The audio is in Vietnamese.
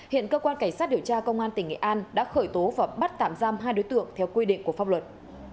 hiện cơ quan cảnh sát điều tra công an tỉnh nghệ an đã khởi tố và bắt tạm giam hai đối tượng theo quy định của pháp luật